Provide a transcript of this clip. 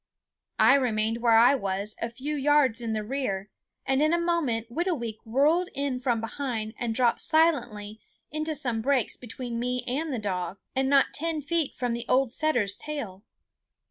I remained where I was, a few yards in the rear, and in a moment Whitooweek whirled in from behind and dropped silently into some brakes between me and the dog and not ten feet from the old setter's tail.